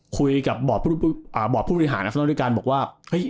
คุยกับบรอบผู้บริหารอัสนอนด้วยกันบอกว่า